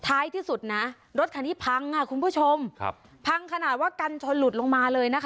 ท้ายที่สุดนะรถคันนี้พังอ่ะคุณผู้ชมครับพังขนาดว่ากันชนหลุดลงมาเลยนะคะ